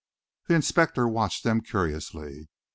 The inspector watched them curiously.